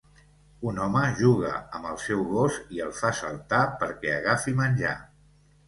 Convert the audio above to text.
Un home juga amb el seu gos i el fa saltar perquè agafi menjar.